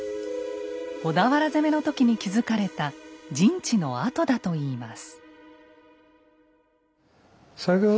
小田原攻めの時に築かれた陣地の跡だといいます。